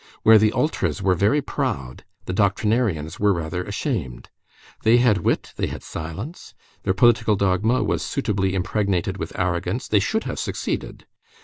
Where the ultras were very proud, the doctrinarians were rather ashamed. They had wit; they had silence; their political dogma was suitably impregnated with arrogance; they should have succeeded.